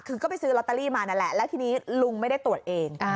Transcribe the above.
คือก็ไปซื้อลอตเตอรี่มานั่นแหละแล้วทีนี้ลุงไม่ได้ตรวจเอง